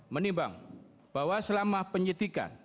menimbang bahwa selama penyitikan